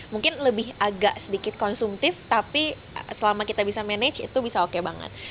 mungkin lebih agak sedikit konsumtif tapi selama kita bisa manage itu bisa oke banget